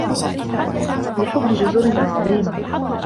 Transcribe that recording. لحب جزرنا العظيمة.